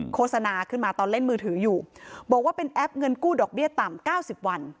โฆษณาขึ้นมาตอนเล่นมือถืออยู่บอกว่าเป็นแอปเงินกู้ดอกเบี้ยต่ำ๙๐วัน